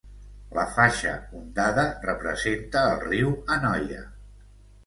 La faixa ondada representa el riu Anoia.